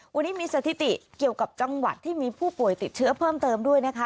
วันนี้มีสถิติเกี่ยวกับจังหวัดที่มีผู้ป่วยติดเชื้อเพิ่มเติมด้วยนะคะ